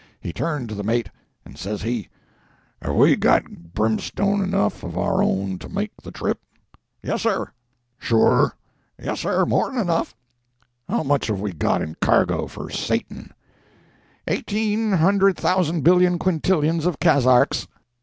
He turned to the mate, and says he— "Have we got brimstone enough of our own to make the trip?" "Yes, sir." "Sure?" "Yes, sir—more than enough." "How much have we got in cargo for Satan?" "Eighteen hundred thousand billion quintillions of kazarks."